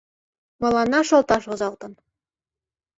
Мыланна шолташ возалтын.